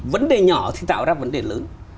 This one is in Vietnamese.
vấn đề nhỏ thì tạo ra vấn đề lớn